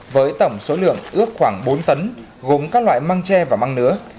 với tổng số lượng ước khoảng bốn tấn gồm các loại măng tre và măng nứa